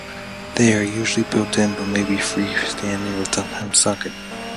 They are usually built-in, but may be free-standing or sometimes sunken.